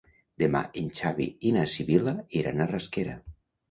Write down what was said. Demà en Xavi i na Sibil·la iran a Rasquera.